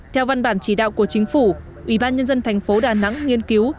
theo văn bản chỉ đạo của chính phủ ủy ban nhân dân thành phố đà nẵng nghiên cứu